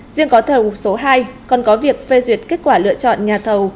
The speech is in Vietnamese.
riêng có thẩu số hai còn có việc phê duyệt kết quả lựa chọn nhà thẩu